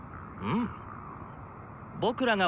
うん？